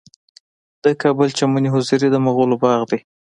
د کابل چمن حضوري د مغلو باغ دی